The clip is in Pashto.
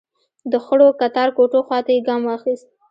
د خړو کتار کوټو خواته يې ګام واخيست.